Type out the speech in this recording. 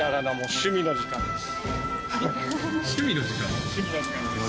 趣味の時間です。